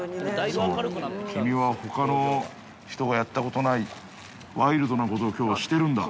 そう、君はほかの人がやったことない、ワイルドなことをきょう、してるんだ。